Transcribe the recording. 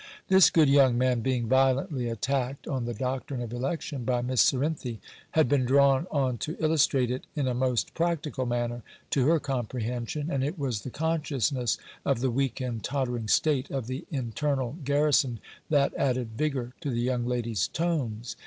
This good young man, being violently attacked on the doctrine of election by Miss Cerinthy, had been drawn on to illustrate it in a most practical manner, to her comprehension; and it was the consciousness of the weak and tottering state of the internal garrison, that added vigour to the young lady's tones.